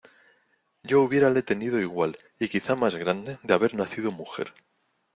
yo hubiérale tenido igual, y quizá más grande , de haber nacido mujer: